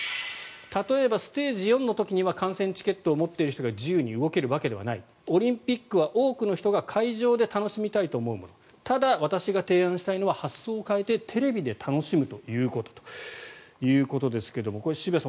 例えば、ステージ４の時には観戦チケットを持っている人が自由に動けるわけではないオリンピックは多くの人が会場で楽しみたいと思うものただ、私が提案したいのは発想を変えてテレビで楽しむということと。ということですがこれ、渋谷さん